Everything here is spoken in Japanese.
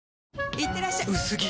いってらっしゃ薄着！